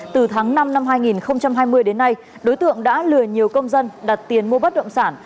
từ tháng năm năm hai nghìn hai mươi đến nay đối tượng đã lừa nhiều công dân đặt tiền mua bất động sản